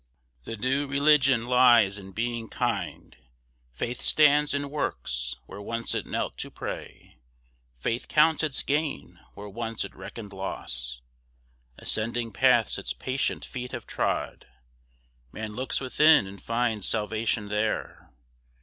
The new religion lies in being kind; Faith stands and works, where once it knelt to pray; Faith counts its gain, where once it reckoned loss; Ascending paths its patient feet have trod; Man looks within, and finds salvation there.